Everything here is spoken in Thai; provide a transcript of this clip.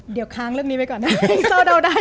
เดี๋ยวค้างเรื่องนี้ไปก่อนนะ